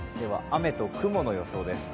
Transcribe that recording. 雨と雲の予想です。